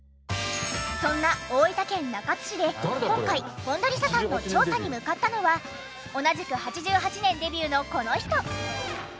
そんな大分県中津市で今回本田理沙さんの調査に向かったのは同じく８８年デビューのこの人！